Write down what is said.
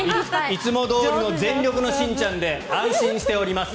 いつもどおりの全力のしんちゃんで安心しております。